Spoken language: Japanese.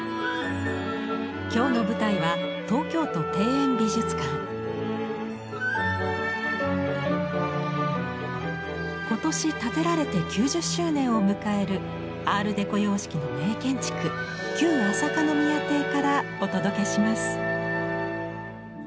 今日の舞台は今年建てられて９０周年を迎えるアール・デコ様式の名建築旧朝香宮邸からお届けします。